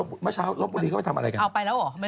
เมื่อเช้ารบบุรีเขาไปทำอะไรกันอะพนารายหรอหรือ